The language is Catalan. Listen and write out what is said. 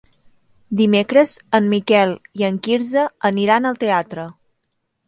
Dimecres en Miquel i en Quirze aniran al teatre.